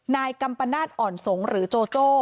กัมปนาศอ่อนสงหรือโจโจ้